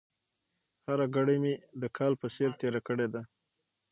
هره ګړۍ مې د کال په څېر تېره کړې ده.